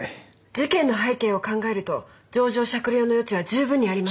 事件の背景を考えると情状酌量の余地は十分にあります。